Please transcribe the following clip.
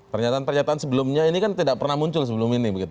pernyataan pernyataan sebelumnya ini kan tidak pernah muncul sebelum ini